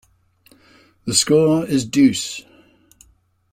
The score is deuce.